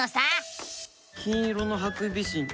金色のハクビシン